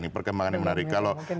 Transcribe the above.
perkembangan yang menarik